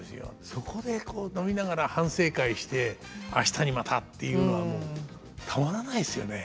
そこでこう飲みながら反省会して「明日にまた」っていうのはもうたまらないですよね。